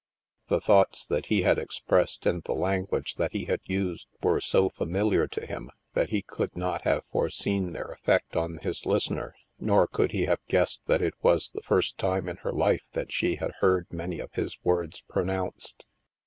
The thoughts that he had expressed and the language that he had used were so familiar to him that he could not have foreseen their effect on his listener, nor could he have guessed that it was the first time in her life that she had heard many of his words pro nounced.